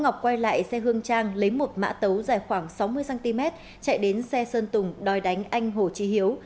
ngọc quay lại xe hương trang lấy một mã tấu dài khoảng sáu mươi cm chạy đến xe sơn tùng đòi đánh anh hồ trí hiếu